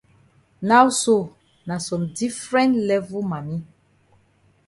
Now so na some different level mami.